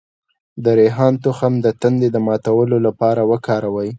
د ریحان تخم د تندې د ماتولو لپاره وکاروئ